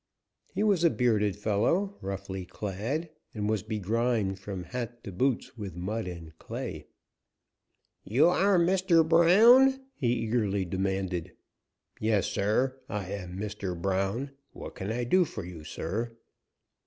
He was a bearded fellow, roughly clad, and was begrimed from hat to boots with mud and clay. "You aire Mr. Brown?" he eagerly demanded. "Yes, sir, I am Mr. Brown. What can I do for you, sir?"